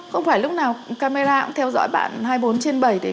không phải lúc nào camera cũng theo dõi bạn hai mươi bốn trên bảy này